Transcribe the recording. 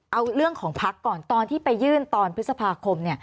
เอาเรื่องของพักก่อนตอนที่ไปยื่นตอนพฤษภาคม